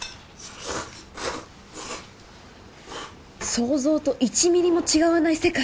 想像と１ミリも違わない世界！